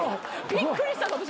びっくりした。